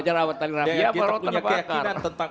kita punya keyakinan tentang